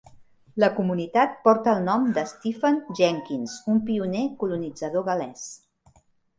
La comunitat porta el nom de Stephen Jenkins, un pioner colonitzador gal·lès.